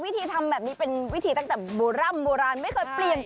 ทำดีที่สุดแล้ว